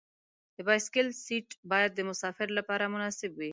د بایسکل سیټ باید د مسافر لپاره مناسب وي.